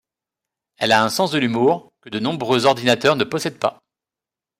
Elle a un sens de l'humour, que de nombreux ordinateurs ne possèdent pas.